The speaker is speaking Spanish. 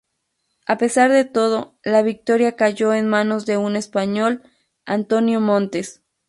A pesar de todo, la victoria cayó en manos de un español, Antonio Montes.